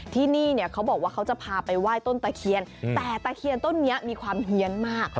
ที่นี่เนี่ยเขาบอกว่าเขาจะพาไปไหว้ต้นตะเคียนแต่ตะเคียนต้นนี้มีความเฮียนมาก